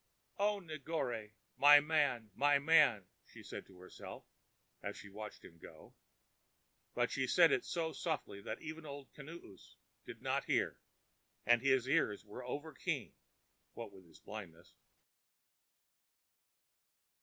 "Oh, Negore, my man! my man!" she said to herself, as she watched him go, but she said it so softly that even Old Kinoos did not hear, and his ears were over keen, what of his blindness.